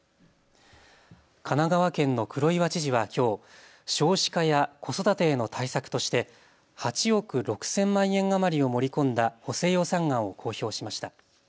神奈川県の黒岩知事はきょう少子化や子育てへの対策として８億６０００万円余りを盛り込んだ補正予算案を公表しました。